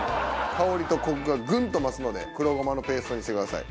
香りとコクがグン！と増すので黒ごまのペーストにしてください。